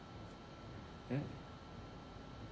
えっ。